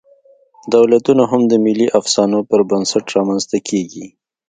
دولتونه هم د ملي افسانو پر بنسټ رامنځ ته کېږي.